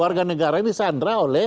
warga negara ini disandar oleh